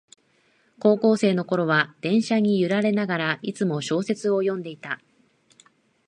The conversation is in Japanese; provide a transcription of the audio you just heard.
高校生のころは電車に揺られながら、いつも小説を読んでいた